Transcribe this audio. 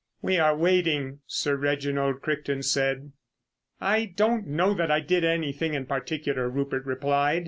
"We are waiting," Sir Reginald Crichton said. "I don't know that I did anything in particular," Rupert replied.